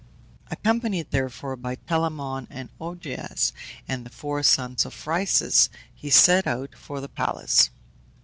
Accompanied, therefore, by Telamon and Augeas, and the four sons of Phryxus, he set out for the palace.